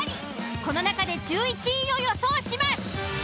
この中で１１位を予想します。